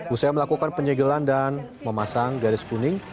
usai melakukan penyegelan dan memasang garis kuning